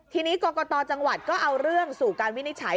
ทีนี้กรกตจังหวัดก็เอาเรื่องสู่การวินิจฉัย